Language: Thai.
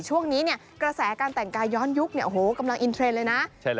ช่วงนี้เนี่ยกระแสการแต่งกายย้อนยุคเนี่ยโอ้โหกำลังอินเทรนด์เลยนะ